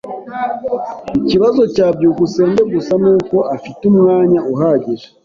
Ikibazo cya byukusenge gusa nuko adafite umwanya uhagije.